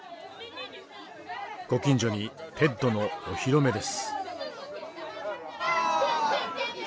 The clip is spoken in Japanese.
ご近所にテッドのお披露目です。